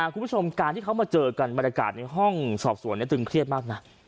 คุณผู้ชมการที่เขามาเจอกันบรรยากาศในห้องสอบสวนตึงเครียดมากนะ